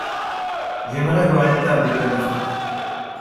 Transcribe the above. J’aimerais avoir une table près de la fenêtre.